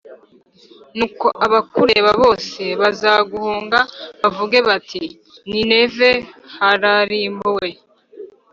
Nuko abakureba bose bazaguhunga bavuge bati “I Nineve hararimbuwe